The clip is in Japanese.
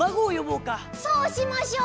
そうしましょう。